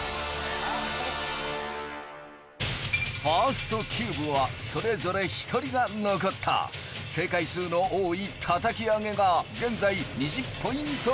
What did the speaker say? ファースト・キューブはそれぞれ１人が残った正解数の多い叩き上げが現在２０ポイント